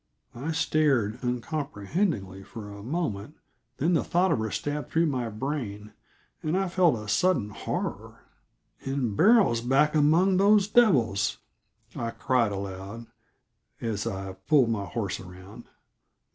I stared, uncomprehending for a moment; then the thought of her stabbed through my brain, and I felt a sudden horror. "And Beryl's back among those devils!" I cried aloud, as I pulled my horse around.